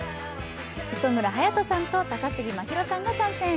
磯村勇斗さんと高杉真宙さんが参戦。